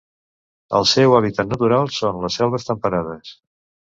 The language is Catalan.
El seu hàbitat natural són les selves temperades.